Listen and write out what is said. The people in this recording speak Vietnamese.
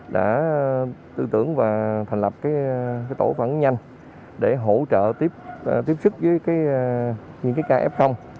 đã tư tưởng và thành lập tổ phản ứng nhanh để hỗ trợ tiếp xúc với những ca f